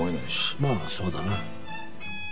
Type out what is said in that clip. まあそうだな。